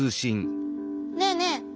ねえねえ